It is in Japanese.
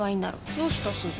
どうしたすず？